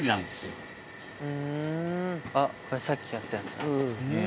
あっこれさっきやったやつだ。